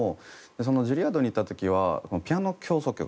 そのジュリアードに行った時はピアノ協奏曲